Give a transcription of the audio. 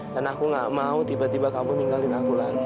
dan aku gak mau tiba tiba kamu ninggalin aku lagi